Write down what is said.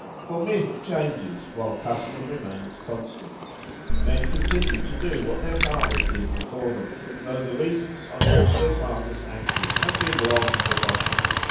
For myth changes while custom remains constant; men continue to do what their fathers did before them, though the reasons on which their fathers acted have been long forgotten.